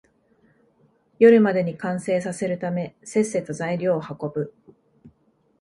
夜までに完成させるため、せっせと材料を運ぶ